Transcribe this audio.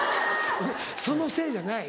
そのせいじゃない。